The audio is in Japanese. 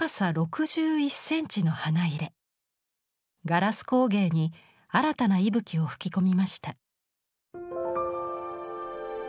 ガラス工芸に新たな息吹を吹き込みました。